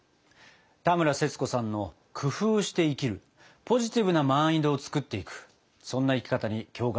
田村セツコさんの工夫して生きるポジティブなマインドをつくっていくそんな生き方に共感しました。